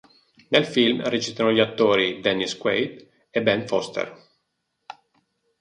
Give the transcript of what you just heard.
Nel film recitano gli attori Dennis Quaid e Ben Foster.